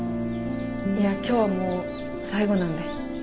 いや今日はもう最後なんで。